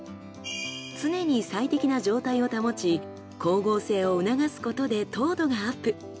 常に最適な状態を保ち光合成を促すことで糖度がアップ。